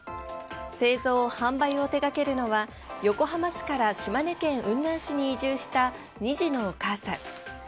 製造・販売を手がけるのは横浜市から島根県雲南市に移住した２児のお母さん。